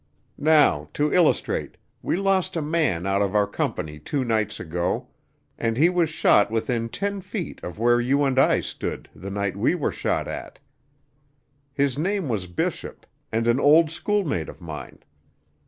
Now, to illustrate, we lost a man out of our company two nights ago, and he was shot within ten feet of where you and I stood the night we were shot at. His name was Bishop, and an old schoolmate of mine.